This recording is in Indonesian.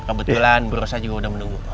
kebetulan burusa juga udah menunggu